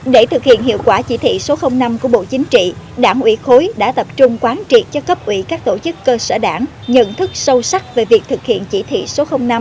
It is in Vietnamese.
để thực hiện hiệu quả chỉ thị số năm của bộ chính trị đảng ủy khối đã tập trung quán triệt cho cấp ủy các tổ chức cơ sở đảng nhận thức sâu sắc về việc thực hiện chỉ thị số năm